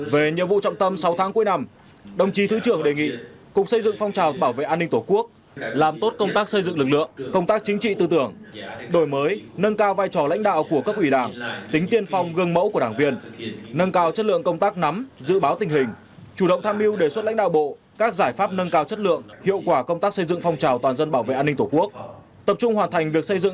về nhiệm vụ trọng tâm sáu tháng cuối năm đồng chí thứ trưởng đề nghị cục xây dựng phong trào bảo vệ an ninh tổ quốc làm tốt công tác xây dựng lực lượng công tác chính trị tư tưởng đổi mới nâng cao vai trò lãnh đạo của cấp ủy đảng tính tiên phong gương mẫu của đảng viên nâng cao chất lượng công tác nắm dự báo tình hình chủ động tham mưu đề xuất lãnh đạo bộ các giải pháp nâng cao chất lượng hiệu quả công tác xây dựng phong trào toàn dân bảo vệ an ninh tổ quốc tập trung hoàn thành